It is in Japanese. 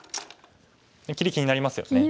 切り気になりますよね。